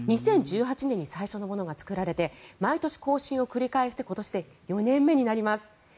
２０１８年に最初のものが作られて毎年更新を繰り返して今年で４年目になります。